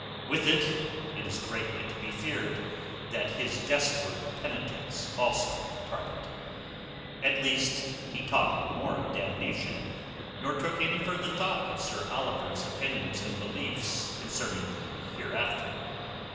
With it, it is greatly to be feared that his desperate penitence also departed. At least he talked no more of damnation, nor took any further thought for Sir Oliver's opinions and beliefs concerning the hereafter.